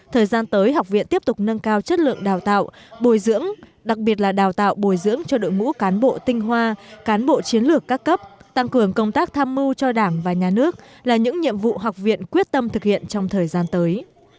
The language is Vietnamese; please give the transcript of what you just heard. thời gian tới học viện tiếp tục nâng cao chất lượng đào tạo bồi dưỡng đặc biệt là đào tạo bồi dưỡng cho đội ngũ cán bộ tinh hoa cán bộ chiến lược các cấp tăng cường công tác tham mưu cho đảng và nhà nước là những nhiệm vụ học viện quyết tâm thực hiện trong thời gian tới